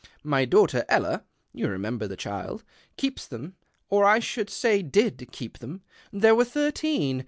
My daughter Ella (you remember the shild) keeps them, or I should say did keep hem. There were thirteen.